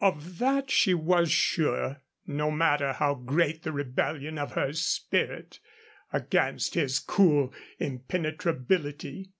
Of that she was sure, no matter how great the rebellion of her spirit against his cool impenetrability.